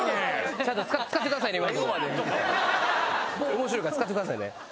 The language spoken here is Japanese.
面白いから使ってくださいね。